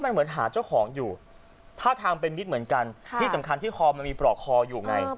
มันเหมือนหาเจ้าของอยู่ท่าทางเป็นมิตรเหมือนกันที่สำคัญที่คอมันมีปลอกคออยู่ไง